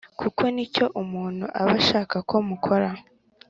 kuko ni cyo umuntu aba ashaka ko mukora.